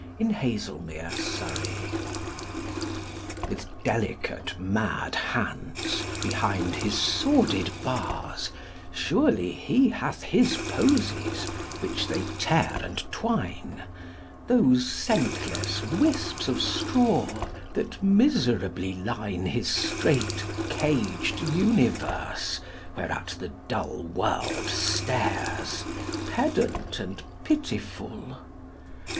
TO ONE IN BEDLAM With delicate, mad hands, behind his sordid bars, Surely he hath his posies, which they tear and twine; Those scentless wisps of straw, that miserably line His strait, caged universe, whereat the dull world stares, Pedant and pitiful.